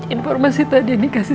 informasi tadi yang dikasih